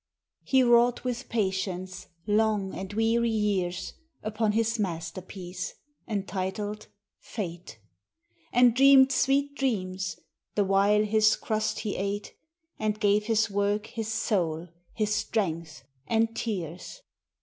Hb wrought with patience long and weary years Upon his masterpiece, entitled " Fate," And dreamed sweet dreams, the while his crust he ate, And <;ave his work his soul, his strength, and tears.